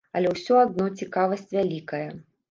Але ўсё адно цікавасць вялікая.